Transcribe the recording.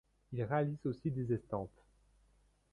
Il réalise aussi des estampes.